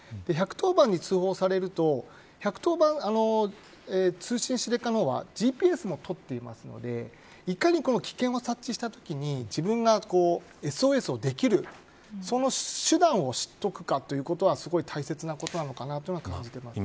１１０番に通報されると通信指令課の方はＧＰＳも取ってるのでいかに、危険を察知したときに自分がＳＯＳをできるその手段を知っておくかということはすごい大切なことなのかなと感じています。